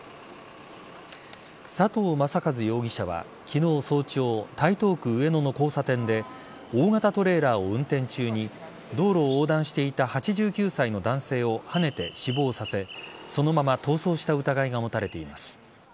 佐藤正和容疑者は昨日早朝台東区上野の交差点で大型トレーラーを運転中に道路を横断していた８９歳の男性をはねて死亡させそのまま逃走した疑いが持たれています。